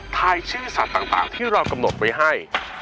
ชื่อสัตว์ต่างที่เรากำหนดไว้ให้